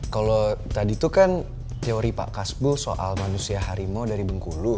kalau tadi itu kan teori pak kasbul soal manusia harimau dari bengkulu